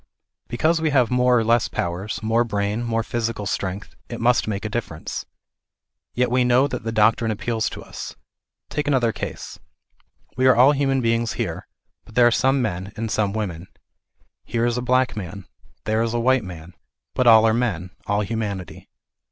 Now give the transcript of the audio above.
Because we have more or less powers, more brain, more physical strength ; it must make a difference. Yet we know that the doctrine appeals to us. Take another case. We are all human beings here, but there are some men, and some women. Here is a black man, there a white man, but all are men, all humanity.